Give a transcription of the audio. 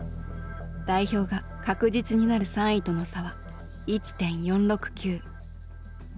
代表が確実になる３位との差は１．４６９。